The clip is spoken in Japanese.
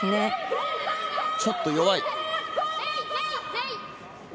ちょっと弱い。